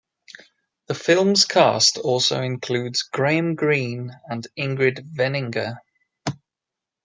The film's cast also includes Graham Greene and Ingrid Veninger.